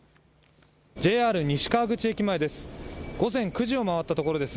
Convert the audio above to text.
ＪＲ西川口駅前です。